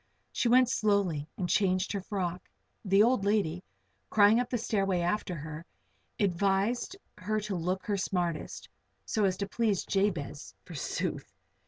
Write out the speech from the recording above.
She went slowly and changed her frock. The old lady, crying up the stairway after her, advised her to look her smartest so as to please Jabez, forsooth!